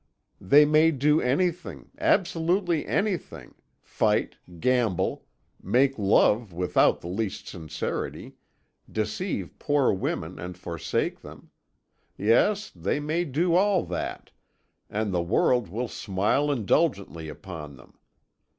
They may do anything absolutely anything! fight, gamble, make love without the least sincerity, deceive poor women and forsake them yes, they may do all that, and the world will smile indulgently upon them.